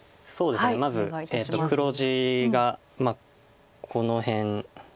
まず黒地がこの辺。